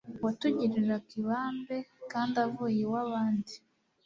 Watugiriraga ibambe Kandi avuye iw'abandi,